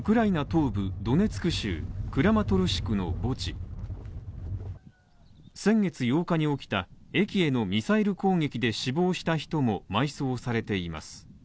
東部ドネツク州クラマトルシクの墓地先月８日に起きた駅へのミサイル攻撃で死亡した人も、埋葬されています。